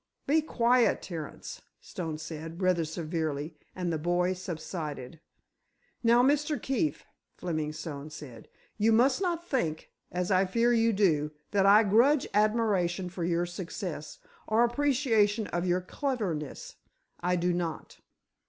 "Be quiet, Terence," Stone said, rather severely, and the boy subsided. "Now, Mr. Keefe," Fleming Stone said, "you must not think—as I fear you do—that I grudge admiration for your success, or appreciation of your cleverness. I do not.